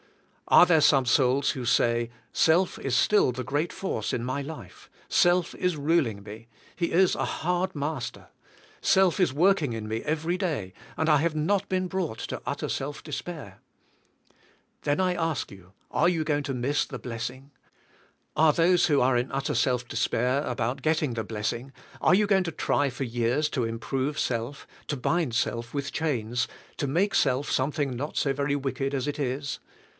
Are there some souls who say, Self is still the great force in my life; self is ruling me; he is a hard master; self is working in me every day, and I have not been brought to utter self despair? Then I ask you, are you going to miss the blessing? Are B^ FlIyl^KD WITH THK SPIRIT. 81 those who are in utter self despair about getting the blessing , are you g oing to try for years to improve self, to bind self with chains, to make self some thing not so very wicked as it is?